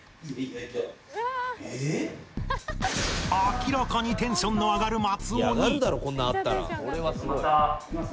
明らかにテンションの上がる松尾に